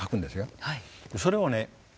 それをね